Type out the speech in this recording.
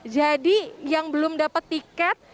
jadi yang belum dapat tiket